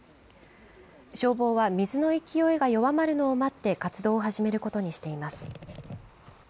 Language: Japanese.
消防は水の勢いが弱まるのを待って活動を始めることにしています。